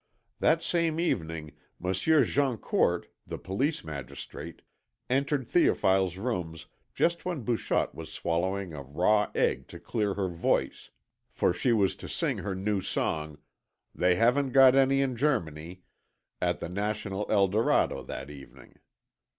That same evening Monsieur Jeancourt, the Police Magistrate, entered Théophile's rooms just when Bouchotte was swallowing a raw egg to clear her voice, for she was to sing her new song, "They haven't got any in Germany," at the "National Eldorado" that evening.